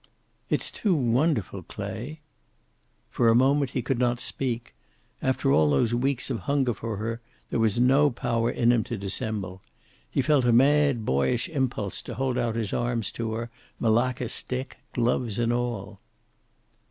"It's too wonderful, Clay." For a moment he could not speak. After all those weeks of hunger for her there was no power in him to dissemble. He felt a mad, boyish impulse to hold out his arms to her, Malacca stick, gloves, and all!